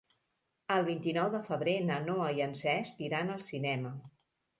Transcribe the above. El vint-i-nou de febrer na Noa i en Cesc iran al cinema.